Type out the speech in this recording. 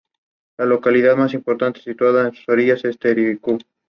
No obstante, el himno de Croft no era muy conocido fuera del Reino Unido.